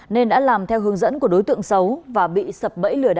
nên đã làm theo hướng dẫn của đối tượng xấu và bị sập bẫy lừa đảo